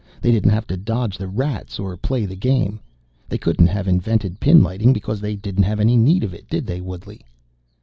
They didn't have to dodge the Rats or play the Game. They couldn't have invented pinlighting because they didn't have any need of it, did they, Woodley?"